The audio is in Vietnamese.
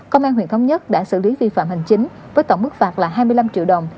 công an huyện thống nhất đã xử lý vi phạm hành chính với tổng mức phạt là hai mươi năm triệu đồng